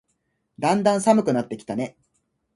だんだん寒くなってきたね。